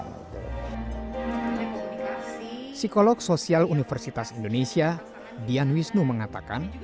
psikolog sosial universitas indonesia dian wisnu mengatakan